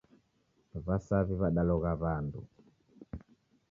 Wasawi wadalogha wandu